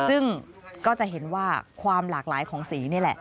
ซึ่งก็จะเห็นว่าความหลากหลายของสีนี่แหละ